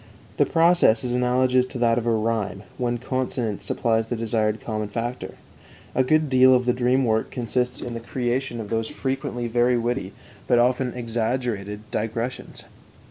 The process is analogous to that of rhyme, when consonance supplies the desired common factor. A good deal of the dream work consists in the creation of those frequently very witty, but often exaggerated, digressions.